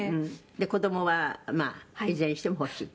「子供はいずれにしても欲しいと」